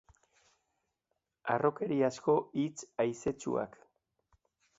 Harrokeriazko hitz haizetsuak.